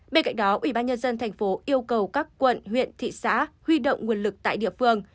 bên cạnh đó ubnd tp yêu cầu các quận huyện thị xã huy động nguồn lực tại địa phương